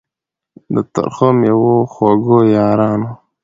د ترخو میو خوږو یارانو